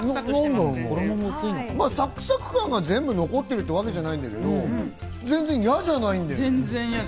サクサク感が全部残ってるってわけじゃないんだけど、全然嫌じゃない。